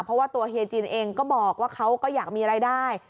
เพราะว่าตัวเฮียจินเองก็บอกว่าเขาก็อยากมีรายได้